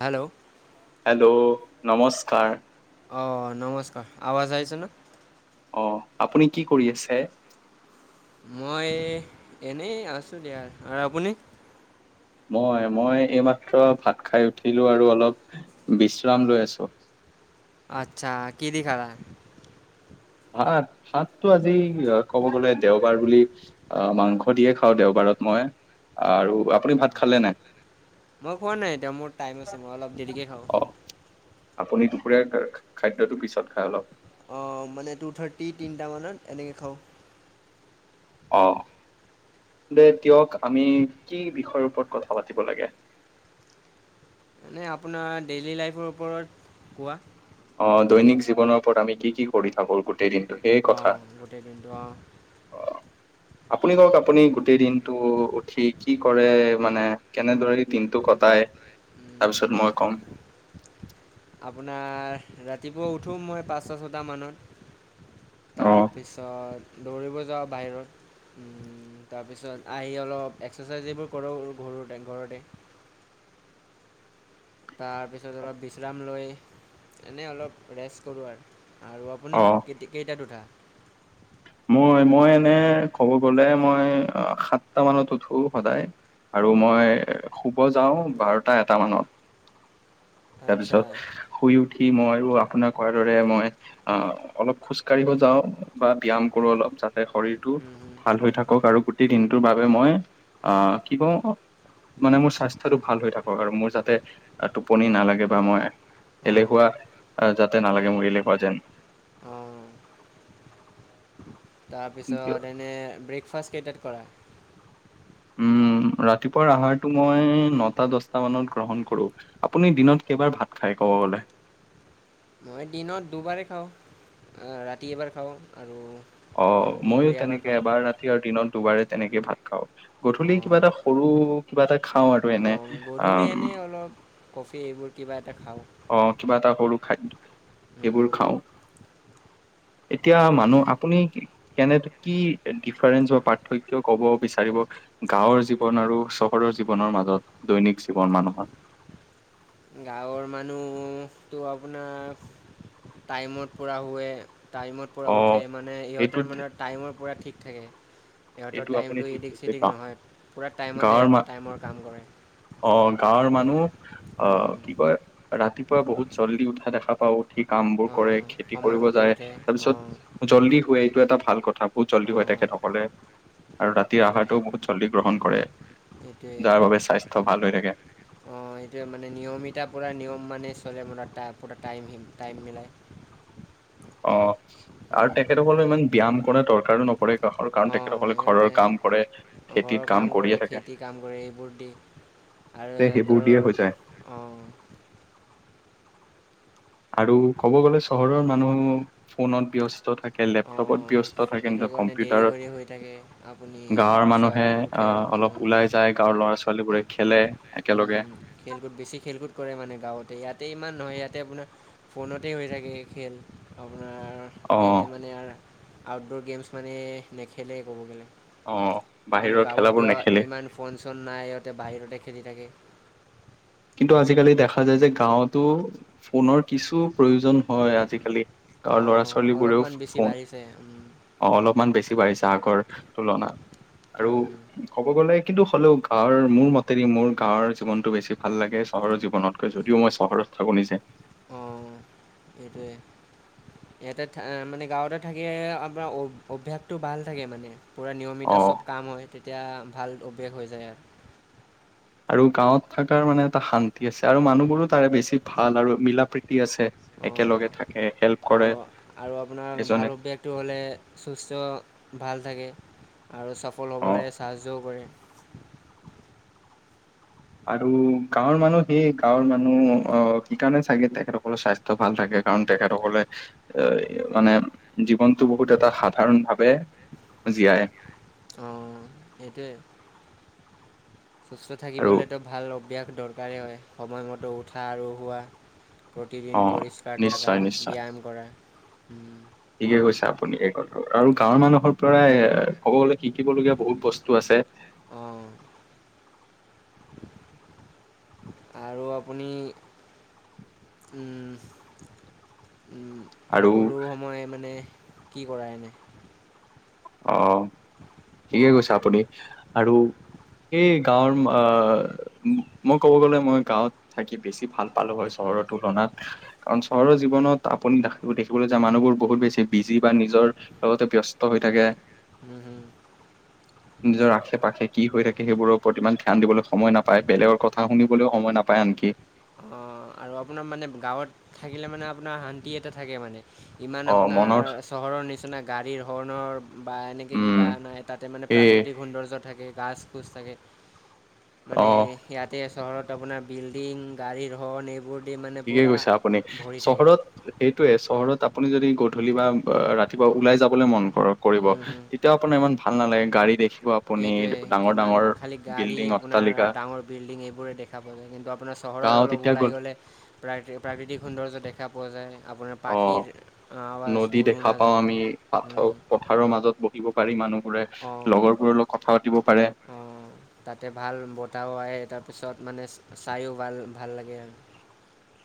Hello hello নমস্কাৰ অ নমস্কাৰ আৱাজ আহিছে ন? অ আপুনি কি কৰি আছে? মই এনেই আছো দিয়া। আৰু আপুনি? মই মই এইমাত্ৰ ভাত খাই উঠিলো আৰু অলপ বিশ্ৰাম লৈ আছো। আচ্ছা কি দি খালা? ভাত ভাতটো আজি ক'ব গ'লে দেওবাৰ বুলি আহ মাংস দিয়ে খাওঁ। দেওবাৰ মই আৰু আপুনি ভাত খালে নাই? মই খোৱা নাই এতিয়া মোৰ টাইম আছে মই অলপ দেৰিকে খাওঁ। অ আপুনি দুপৰীয়া খাদ্যটো পিছত খাই অলপ। অ মানে টু থাৰ্টি তিনিটা মানত এনেকে খাওঁ। আহ দে দিয়ক আমি কি বিষয়ৰ ওপৰত কথা পাতিব লাগে। [inaudible] মানে আপোনাৰ ডেইলি লাইফৰ ওপৰত কোৱা। অ দৈনিক জীৱনৰ ওপৰত আমি কি কি কৰি থাকো গোটেই দিনটো সেই কথা অঁ গোটেই দিনটো অঁ অ আপুনি কওক আপুনি গোটেই দিনটো উঠি কি কৰে। মানে কেনেদৰে দিনটো কটাই হয় তাৰপিছত মই কম [unintelligible] আপোনাৰ ৰাতিপুৱা উঠো মই পাঁচটা ছটা মানত তাৰ অ', পিছত দৌৰিব যাওঁ বাহিৰত তাৰপিছত আহি অলপ এক্সাৰচাইজ এইবোৰ কৰোঁ ঘৰুতে ঘৰতে [unintelligible] [inaudible] তাৰপিছত অলপ বিশ্ৰাম লৈ এনেই অলপ ৰেষ্ট কৰোঁ আৰু আৰু আপুনি অ', ক কেইটা উঠা [unintelligible] মই মই এনে ক'ব গলে মই সাতটা মানত উঠো সদায় [unintelligible] আৰু মই শুব যাওঁ বাৰটা এটা মানত আচ্ছা তাৰপিছত শুই উঠি মই আৰু আপোনাক তোমাৰ দৰে মই অ অলপ খোজ কঢ়িব যাওঁ বা ব্যায়াম কৰো অলপ য [unintelligible] শৰীৰটো হুম হুম। ভাল হৈ থাকক আৰু গোটেই দিনটোৰ বাবে মই আহ কি কওঁ মানে মোৰ স্বাস্থ্যটো ভাল হৈ থাকক আৰু মোৰ যাতে টোপনি নালাগে বা মই অঁ এলেহুৱা অঁ যাতে নালাগে মোক এলে হুৱা যেন [inaudible] অঁ তাৰপিছত এনে ব্ৰেকফাষ্ট কেইটাত কৰা উম ৰাতিপুৱাৰ আহাৰতটো মই নটা দচটা মানত গ্ৰহণ কৰো আপুনি দিনত কেইবাৰ ভাত খাই কব গলে মই দিনত দুবাৰেই খাওঁ ৰাতি এবাৰ খাওঁ আৰু অ উম, ময়ো দুপৰীয়া তেনেকে খাওঁ এবাৰ ৰাতি আৰু দিনত দুবাৰে তেনেকেই ভাত খাওঁ গধূলি কিবা অঁ এটা সৰু কিবা এটা খাও আৰু এনে অঁ গধূলি আহ এনেই অলপ কফি এইবোৰ কিবা এ আহ কিবা এটা সৰু খাদ্য উম, এইবোৰ খাওঁ এতিয়া মানুহ আপুনি কেনে কি ডিফাৰেন্স বা পাৰ্থক্য কব বিচাৰিব [unintelligible] গাঁৱৰ জীৱন আৰু চহৰৰ জীৱনৰ মাজত দৈনিক জীৱন মানুহৰ গাঁৱৰ মানুহটো আপোনাৰ টাইমত পূৰা শুৱে টাইমৰ পৰা অ উঠে মানে সিহঁতে এইটোত মানে টাইমৰ পৰা ঠিক থাকে সিহঁতৰ এইটো আপুনি টাইমটো ঠিক এদিক কৈছে চিদিক গাঁও নহয় পূৰা টাইমতে গাঁৱৰ ম ইহঁতে টাইমৰ কাম কৰে [unintelligible] অ গাঁৱৰ মানুহ হুম আহ হুম কি কয় ৰাতিপুৱা বহুত জল্দি উঠা দেখা পাও সি কাম বোৰ অঁ কৰে খেতি কৰিব সময়মতে যায় উঠে অঁ তাৰপিছত জল্দি শুৱে এইটো এটা ভাল কথা [unintelligible] বহুত জল্দি হয় অঁ তেখেতসকলে আৰু ৰাতিৰ আহাৰটোও বহুত জল্দি গ্ৰহণ কৰে সেটোয়ে যাৰ বাবে স্বাস্থ্য ভাল হৈ থাকে অ এইটোয়ে মানে নিয়মিতাৰ পৰা নিয়ম মানে [unintelligible] চল মানে পোৰা টাইম টাইম মিলে [unintelligible] অ আৰু তেখেতসকললে ইমান ব্যায়াম কৰে দৰকাৰো নকৰে অঁ সিহঁতে খেতিত ঘৰৰ কাম কৰে কৰিয়ে থাকে খেতি কাম কৰে এইবোৰ দি আৰু তে সেইবোৰ দিয়ে হৈ যায় সিহঁতৰ অঁ আৰু ক'ব গ'লে চহৰৰ মানুহ ফোনত ব্যস্ত থাকে লেপটপত অঁ ব্যস্ত থাকে এইটো নিজৰ কাৰণে দেৰি কম্পিউটাৰত কৰি হৈ থাকে আপুনি গাঁৱৰ মানুহে তাৰপিছত উঠেও আহ অলপ ওলাই যায় গাঁৱৰ ল'ৰা ছোৱালীবোৰে খেলে উম একেলগে হম খেলকুদ বেছি খেলকুদ কৰে মানে গাঁৱতে ইয়াতে ইমান নহয় ইয়াতে আপোনাৰ ফোনতে হৈ থাকে খেল আপোনাৰ অ ইয়াতে মানে আৰু আউটডৰ গেমছ মানে নেখেলেই ক'ব গ'লে অ কিন্তু বাহিৰৰ খেলাবোৰ গাঁৱততো নেখেলে ইমান ফোন চন নাই সিহতে বাহিৰতে খেলি থাকে কিন্তু আজিকালি দেখা যায় যে গাঁৱতো ফোনৰ কিছু প্ৰয়োজন হয় আজিকালি [unintelligible] অ ল'ৰা ছোৱালীবোৰেও অলপমান বেছি ফোন বাঢ়িছে উম, অ অলপমান বেছি বাঢ়িছে আগৰ তুলনাত আৰু হুম হুম। ক'ব গলে কিন্তু হ'লেও গাঁৱৰ মোৰ মতেৰে মোৰ গাঁৱ জীৱনটো বেছি [unintelligible] ভাল লাগে চহৰৰ জীৱনতকৈ যদিও মই চহৰত থাকো নিজে অঁ এইটোৱেই ইয়াতে মানে গাঁৱতে থাকিল আপোনাৰ অভ্যাসতটো ভাল থাকে মানে। পূৰা অ নিয়মিত চব কাম হয় তেতিয়া ভাল অভ্যাস হৈ যায় আৰু। আৰু গাঁৱত থকাৰ মানে এটা শান্তি আছে আৰু মানুহবোৰো। তাৰে বেছি ভাল আৰু মিলা প্ৰীতি আছে। অঁ একেলগে থাকে হেল্প কৰে। আৰু আৰু আপোনাৰ এজনে ভাল অভ্যাসটো হ'লে সুস্থ ভাল থাকে। আৰু চফল অ হ'বলৈ সাহায্য কৰে। আৰু গাঁৱৰ মানুহ সেইয় গাঁৱৰ মানুহ আহ কি কাৰণে চাগে তেখেতসকলৰ স্বাস্থ্য ভাল থাকে। কাৰণ তেখেতসকলে এ মানে জীৱনতটো বহুত এটা সাধাৰণ ভাৱে। জিয়ায় অ এইটোৱে। সুস্থ আৰু থাকিবলৈতো ভাল অভ্যাস দৰকাৰেই হয় সময়মতেো উঠা আৰু হোৱা। প্ৰতিদিন অ পৰিষ্কাৰ থকা নিশ্চয় নিশ্চয় ব্যায়াম কৰা। ঠিকে কৈছে আপুনি এই কথা আৰু গাঁৱৰ মানুহৰ পৰাই এ ক'ব গ। শিকিবলগীয়া বহুত বস্তু আছে। অঁ আৰু আপুনি। উম। আৰু সকলো সময় মানে কি কৰা এনে। অ ঠিকে কৈছে আপুনি আৰু। এই গাঁৱৰ আহ মই ক'ব গলে মই গাঁৱত থাকি বেছি ভাল পালো হয় চ। চহৰৰ তুলনাত কাৰণ চহৰৰ জীৱনত আপুনি দেখিবলৈ যায় মানুহবোৰ বহুত বেছি বিজি বা নিজৰ। লগতে ব্যস্ত হৈ থাকে। হুম হুম। নিজৰ আশে পাশে কি হৈ থাকে সেইবোৰৰ ওপৰত ইমান ধ্যান দিবলৈ সময় নাপায় বেলেগৰ কথা শুনিবলৈও সময় ন। নাপায় আনকি। অ আৰু আপোনাৰ মানে গাঁৱত থাকিলে মানে আপোনাৰ শান্তি এটা থাকে মানে। ইমান অ আপোনাৰ মনৰ চহৰৰ নিচিনা গাড়ীৰ হৰ্ণৰ বা এনেকে উম কিবা নাই তাতে মানে। এই প্ৰাকৃতিক সৌন্দৰ্য থাকে। গছ খোজ থাকে। মানে অ ইয়াতে চহৰত আপোনাৰ বিল্ডিং। গাড়ীৰ হৰন এইবোৰ। দি মানে ঠিকে পুৰা কৈছে আপুনি ভৰি থাকে। চহৰত সেইটোয়ে চহৰত আপুনি যদি। গধূলি বা ৰাতিপুৱা ওলাই যাবলৈ মন কৰক কৰিব, হুম তেতিয়াও আপোনাৰ ইমান ভাল নালাগে গাড়ী দেখি। এইটোয়ে কিমান খালি গাড়ী বিল্ডিং অট্টালিকা আপোনাৰ ডাঙৰ বিল্ডিং এইবোৰে দেখা পায় কিন্তু আপোনাৰ। চহৰত গাঁও অলপ তেতিয়া গ'ল ওলাই গ'লে প্ৰাকৃ প্ৰাকৃতিক সৌন্দৰ্য দেখা পোৱা যায়। আপোনাৰ অ পাখিৰ আৱাজ নদী শুুৰ দেখা শুনা পাওঁ যায়। দিব পাৰি মানুহ। অ অ তাতে ভাল বতাহ ও আহে তাৰ পিছত। মানে চায়ো ভাল ভাল লাগে।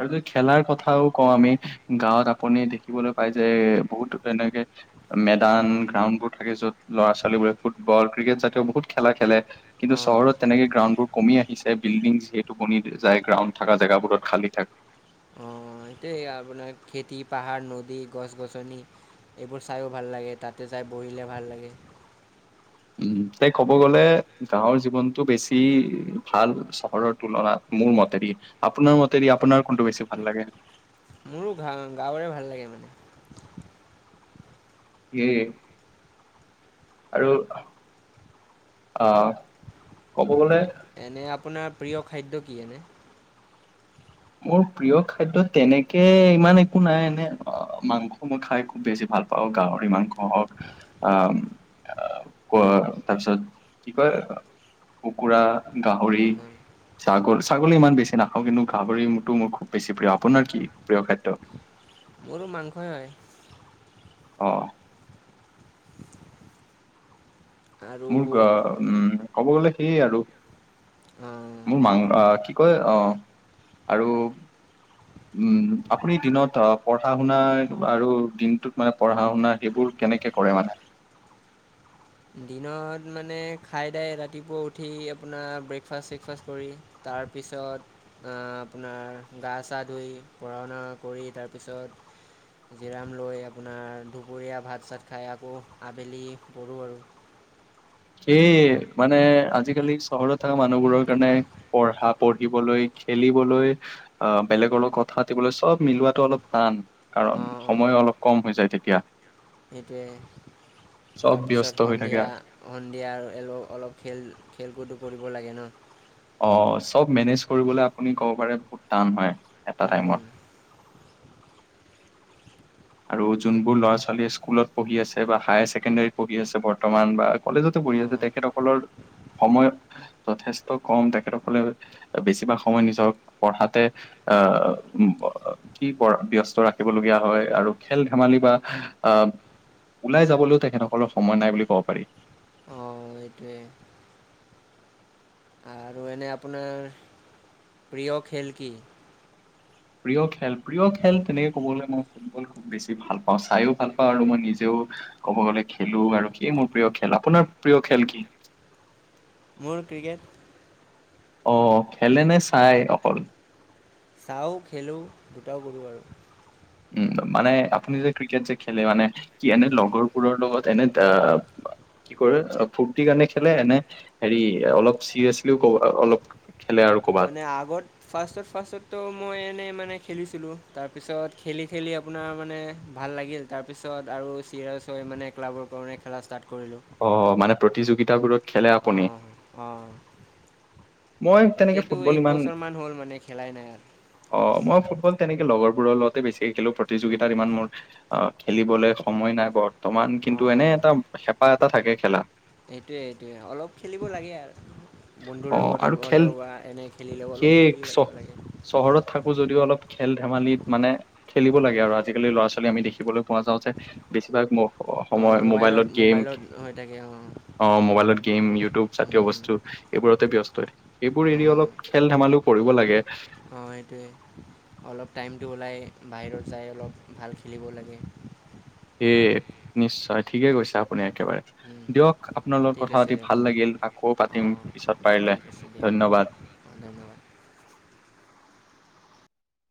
আৰু যে খেলাৰ কথাও কওঁ আমি গাঁৱত আপুনি দেখিবলৈ পাই যে বহুত এনেকে। মেদান গ্ৰাউণ্ড বোৰ থাকে য'ত ল'ৰা ছোৱালী বোৰে ফুটবল ক্ৰিকেট জাতীয় বহুত খেলা খেলে। কিন্তু অঁ চহৰত তেনেকে গ্ৰাউণ্ড বোৰ কমি আহিছে। বিল্ডিং সেইটো বনি যায় গ্ৰাউণ্ড থকা জেগাবোৰত খালী থাক। অ এটোয়েই আপোনাৰ খেতি, পাহাৰ, নদী, গছ গছনি। এইবোৰ চাইও ভাল লাগে, তাতে যাই বহিলে ভাল লাগে। উ [unintelligible] উম তাই ক'ব গ'লে গাঁৱৰ জীৱনতটো বেছি ভাল চহৰৰ তুলনাত মোৰ মতে। আপোনাৰ মতে আপোনাৰ কোনটো বেছি ভাল লাগে? মোৰো গা গাঁৱৰে ভাল লাগে মানে। এই। আৰু অহ। এনে আপোনাৰ প্ৰিয় খাদ্য কি এনে? মোৰ প্ৰিয় খাদ্য তেনেকে ইমান একো নাই, এনে মাংস মই খাই খুব বেছি ভাল ভাল পাওঁ, গাহৰি মাংসহক আ আহ ক তাৰপিছত কি কয় কুকুৰা গাহৰি, অঁ, হয়। ছাগল ছাগলী ইমান বেছি নাখাওঁ কিন্তু গাহৰি টো মোৰ খুব বেছি প্ৰিয়। আপোনাৰ কি? প্ৰিয় খাদ্য মোৰো মাংসই হয়। অহ' আৰু মোৰ গ উম' ক'ব গ'লে সেইয়ে আৰু আহ, মোৰ মাং আহ কি কয় আহ আৰু উম' আপুনি দিনত অহ' পঢ়া-শুনা আৰু দিনটোত মানে পঢ়া-শুনা সেইবোৰ কেনেকে কৰে মানে? [inaudible] দিনত মানে খাই দাই ৰাতিপুৱা উঠি আপোনাৰ ব্ৰেকফাষ্ট-চেকফাষ্ট কৰি তাৰপিছত পিছত আপোনাৰ গা চা ধুই পঢ়া-শুনা কৰি তাৰপিছত জিৰাম লৈ আপোনাৰ দুপৰীয়া ভাত চাত খাই, আকৌ আবেলি কৰোঁ আৰু সেই মানে আজিকালি চহৰত থকা মানুহবোৰৰ কাৰণে পঢ়া পঢ়িবলৈ খেলিবলৈ আহ বেলেগৰ লগত কথা পাতিবলৈ, চব মিলোৱাটো অলপ টান। কাৰণ অঁ অঁ সময়ো অলপ কম হৈ যায় তেতিয়া। সেইটোৱে চব তাৰপিছত ব্যস্ত হৈ থাকে। সন্ধিয়া আ' সন্ধিয়া এলো অলপ খেল খেলকূদো কৰিব লাগে ন। অ চব মেনেজ কৰিবলৈ আপুনি ক'ব পাৰে বহুত টান হয়, এটা অঁ টাইমত। আৰু যোনবোৰ ল'ৰা ছোৱালীয়ে স্কুলত পঢ়ি আছে, বা হায়াৰছেকেণ্ডৰীত পঢ়ি আছে বৰ্তমান, বা কলেজতো পঢ়ি অঁ আছে তেখেতসকলৰ সময় যথেষ্ট কম, তেখেতসকলে বেছিভাগ সময় নিজক পঢ়াতে, আহ' কি ব ব্যস্ত ৰাখিবলগীয়া হয়, আৰু খেল-ধেমালি বা আহ ওলাই যাবলৈও তেখেতসকলৰ সময় নাই বুলি ক'ব পাৰি। অঁ সেইটোৱে। আৰু এনে আপোনাৰ প্ৰিয় খেল কি? প্ৰিয় খেল প্ৰিয় খেল তেনেকে ক'বলৈ মই ফুটবল খুব বেছি ভাল, পাওঁ চাইও ভাল পাওঁ আৰু মই নিজেও [unintelligible] ক'ব গ'লে খেলো আৰু সেই মোৰ প্ৰিয় খেল, আপোনাৰ প্ৰিয় খেল কি? মোৰ ক্ৰিকেট। অ' খেলে নে চাই অকল? চাওঁ খেলোঁ দুটাও কৰোঁ আৰু উম' মানে আপুনি যে ক্ৰিকেট যে খেলে মানে কি এনে উম, হুম। লগৰবোৰৰ লগত এনে তা কি কৰে ফূৰ্তিৰ কাৰণে খেলে, এনে হেৰি অলপ চিৰিয়াচলিও কব অলপ খেলে আৰু ক'বাত মানে আগত ফাষ্টত ফাষ্টতো মই এনেই মানে খেলিছিলো, তাৰপিছত খেলি-খেলি আপোনাৰ মানে ভাল লাগিল তাৰপিছত আৰু মানে ক্লাবৰ কাৰণে খেলা ষ্টাত অ মানে প্ৰতিযোগিতাবোৰত খেলে আপুনি অহ' অহ' মই তেনেকে ফুটবল ইমান খেলাই নাই আৰু অ' মই ফুটবল তেনেকে লগৰবোৰৰ লগতে বেছিকে খেলো, প্ৰতিযোগিতাত ইমান মোৰ আহ খেলিবলৈ সময় নাই বৰ তমান কিন্তু এনে এটা হেঁপাহ এটা থাকে খেলা। [unintelligible] সেইটোয়ে সটোয়ে, অলপ খেলিব লাগে আৰু [unintelligible] বন্ধুৰ অ লগত আৰু খেল হ'লেও বা এনেই খেলিলেও অলপ খেলিব লাগে। ৰত থাকিও যদি অলপ খেল ধেমালিত মানে খেলিব লাগে, আৰু আজিকালি ল'ৰা ছোৱালী আমি দেখিবলৈ পোৱা যাওঁ যে, বেছিভাগ মহ অ মোবাইলত মোবাইলত হৈ থাকে। অঁ অ মোবাইলত গেম ইউটিউব জাতীয় উম, হুম। বস্তু এইবোৰতে ব্যস্ত থাকে সবোৰ এৰি অঁ অলপ খেল ধেমালিও কৰিব লাগে অঁ সেইটোৱে অলপ টাইমটো ওলাই বাহিৰত যাই অলপ ভাল খেলিব লাগে সেয়ে নিশ্চয় ঠিকে কছে আপুনি একেবাৰে দিয়ক আপোনাৰ লগত ঠিক কথা আছে পাতি দিয়ক ভাল হ'ব লাগিল আকৌ পাতিম অঁ পিছত পাৰিলে ধন্যবাদ অ ধন্যবাদ [unintelligible] [inaudible]